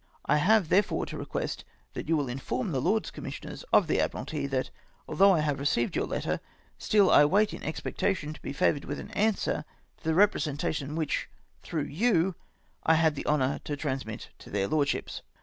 " I have, therefore, to request that you will inform the Lords Commissioners of the Admiralty, that, although I have received your letter, still I wait in expectation to be favoured with an answer to the representation which, through you, I had the honour to transmit to their Lordships.